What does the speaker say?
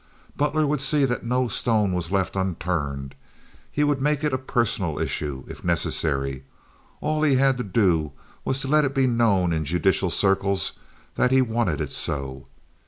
Butler would see that no stone was left unturned. He would make it a personal issue, if necessary. All he had to do was to let it be known in judicial circles that he wanted it so.